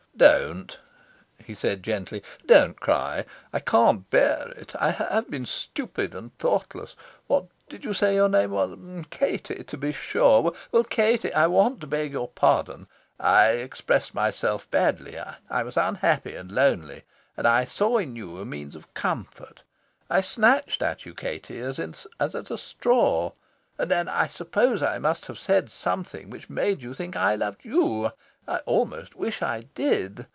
"Don't," he said gently. "Don't cry. I can't bear it. I have been stupid and thoughtless. What did you say your name was? 'Katie,' to be sure. Well, Katie, I want to beg your pardon. I expressed myself badly. I was unhappy and lonely, and I saw in you a means of comfort. I snatched at you, Katie, as at a straw. And then, I suppose, I must have said something which made you think I loved you. I almost wish I did.